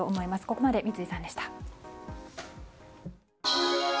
ここまで三井さんでした。